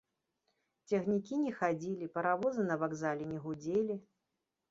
Цягнікі не хадзілі, паравозы на вакзале не гудзелі.